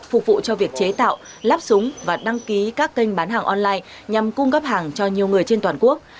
phục vụ cho việc chế tạo lắp súng và đăng ký các kênh bán hàng online nhằm cung cấp hàng cho nhiều người trên toàn quốc